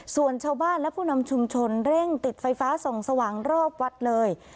ส่วนชาวบ้านและผู้นำชุมชนเร่งติดไฟฟ้าส่องสว่างรอบวัดเลย